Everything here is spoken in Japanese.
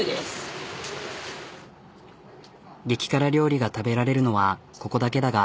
激辛料理が食べられるのはここだけだが。